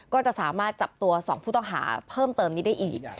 ก็จะสามารถจับตัว๒ผู้ต้องหาเพิ่มเติมนี้ได้อีก